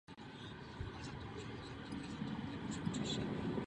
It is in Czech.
V chrámu je socha bódhisattvy moudrosti.